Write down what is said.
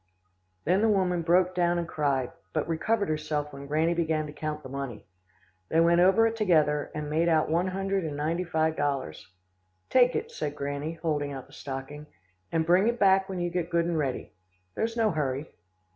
"Then the woman broke down and cried, but recovered herself when Granny began to count the money. They went over it together, and made out one hundred and ninety five dollars. "'Take it,' said Granny, holding out the stocking, 'and bring it back when you get good and ready. There's no hurry.